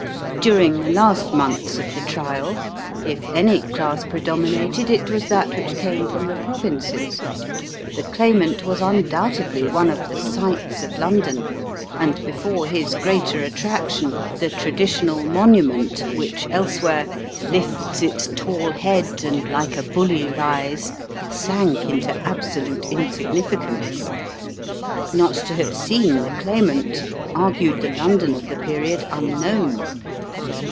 During the last months of the trial, if any class predominated it was that which came from the provinces. The Claimant was undoubtedly one of the sights of London and before his greater attraction the traditional Monument which elsewhere "Lifts its tall head and like a bully lies," sank into absolute insignificance. Not to have seen the Claimant, argued the London of the period unknown.